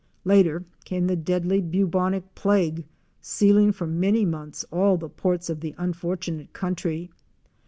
Later came the deadly bubonic plague sealing for many months all the ports of the unfortu nate country.